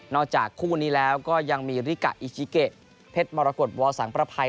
จากคู่นี้แล้วก็ยังมีริกะอิชิเกะเพชรมรกฏวอสังประภัย